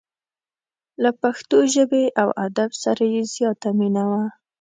له پښتو ژبې او ادب سره یې زیاته مینه وه.